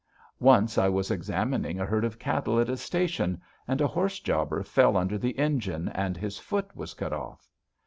Once I was examining a herd of cattle at a station and a horse jobber fell under the engine, and his foot was cut off.